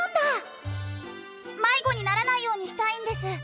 迷子にならないようにしたいんです。